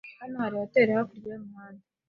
Hano hari hoteri hakurya y'umuhanda.